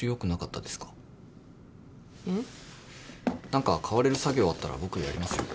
何か代われる作業あったら僕やりますよ。